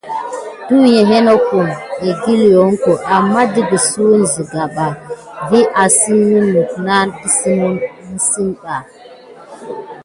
Tuyiya nokum ekikucka aman tikisuk siga ɓa vi asine nesine.